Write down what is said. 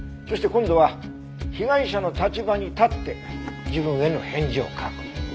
そして今度は被害者の立場に立って自分への返事を書く。